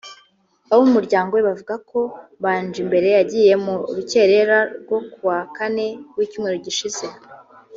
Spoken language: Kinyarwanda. Abo mu muryango we buvuga ko Mbanjimbere yagiye mu rukerera rwo ku wa Kane w’icyumweru gishize